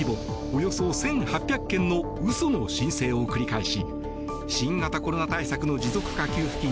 およそ１８００件の嘘の申請を繰り返し新型コロナ対策の持続化給付金